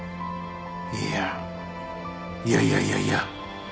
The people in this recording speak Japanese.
いやいやいやいやいや。